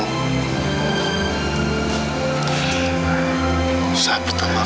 aku waspada kali itu gak usah itu